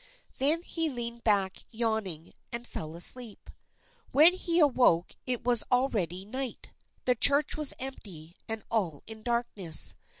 Then he leaned back yawning, and fell asleep. When he awoke it was already night; the church was empty and all in darkness.